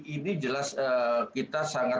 ini jelas kita sangat